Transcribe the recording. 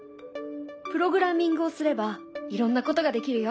プログラミングをすればいろんなことができるよ。